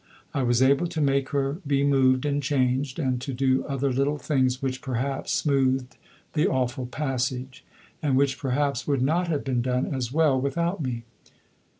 I was able to make her be moved and changed, and to do other little things which perhaps smoothed the awful passage, and which perhaps would not have been done as well without me."